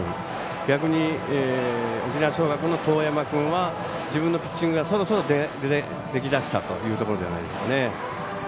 逆に沖縄尚学の當山君は自分のピッチングがそろそろ、でき出したというところじゃないでしょうか。